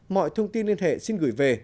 mọi thông tin liên hệ xin gửi về